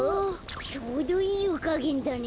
ちょうどいいゆかげんだね。